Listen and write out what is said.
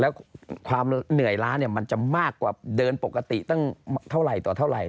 แล้วความเหนื่อยล้าเนี่ยมันจะมากกว่าเดินปกติตั้งเท่าไหร่ต่อเท่าไหร่